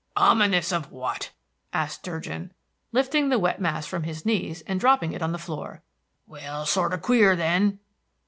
"Ominous of what?" asked Durgin, lifting the wet mass from his knees and dropping it on the floor. "Well, sorter queer, then."